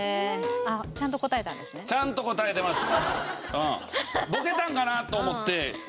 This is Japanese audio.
ちゃんと答えてます。